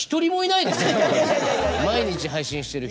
毎日配信してる人。